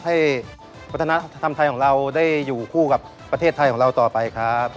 ให้วัฒนธรรมไทยของเราได้อยู่คู่กับประเทศไทยของเราต่อไปครับ